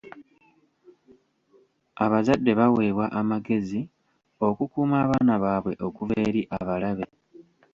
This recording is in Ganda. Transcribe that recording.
Abazadde baweebwa amagezi okukuuma abaana baabwe okuva eri abalabe.